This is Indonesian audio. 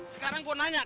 sekarang gua nanya